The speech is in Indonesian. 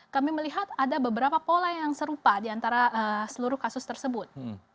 kami melihat ada beberapa pola yang serupa di antara seluruh kasus tersebut